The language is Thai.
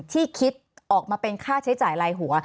ที่คิดออกมาเป็นค่าใช้จ่ายลายหัว